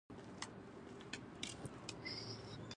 بزګرانو په زحمت طبیعي چاپیریال بدل کړ.